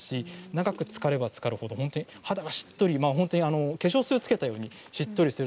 長くつかればつかるほど肌がしっとり、化粧水をつけたようになります。